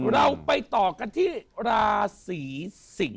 เราไปต่อกันที่ราศีสิง